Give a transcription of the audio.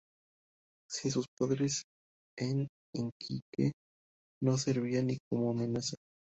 Sin sus pares en Iquique no servía ni como amenaza.